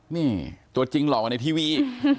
นี่ตัวจริงหล่อในทีวี